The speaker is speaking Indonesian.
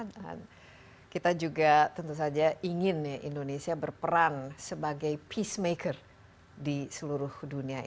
dan kita juga tentu saja ingin indonesia berperan sebagai peacemaker di seluruh dunia ini